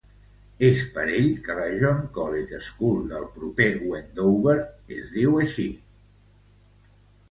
És per ell que la John Colet School del proper Wendover es diu així.